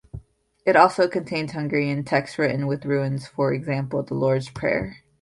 It also contains Hungarian texts written with runes, for example, the Lord's Prayer.